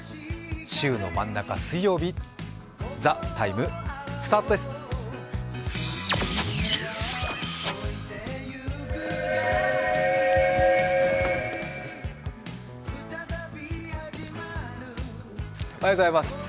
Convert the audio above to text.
週の真ん中、水曜日「ＴＨＥＴＩＭＥ，」スタートです。